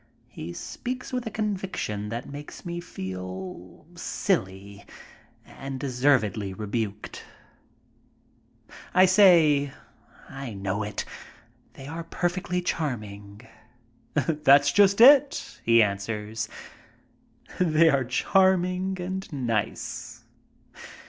He speaks with a conviction that makes me feel silly and deservedly rebuked. I say, "I know it; they are perfectly charming." "That's just it," he answers. "They are charming and nice."